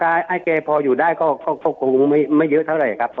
อาจแสดงจะพออยู่ได้ก็ไม่เยอะเท่าไหร่ครับ